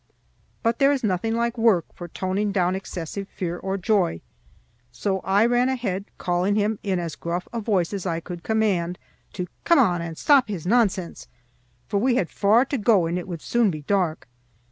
But there is nothing like work for toning down excessive fear or joy. So I ran ahead, calling him in as gruff a voice as I could command to come on and stop his nonsense, for we had far to go and it would soon be dark.